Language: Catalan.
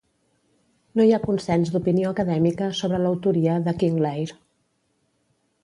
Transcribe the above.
No hi ha consens d'opinió acadèmica sobre l'autoria de "King Leir".